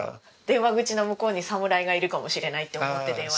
電話口の向こうに侍がいるかもしれないって思って電話してた。